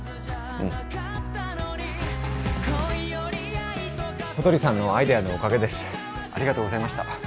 うん小鳥さんのアイデアのおかげですありがとうございました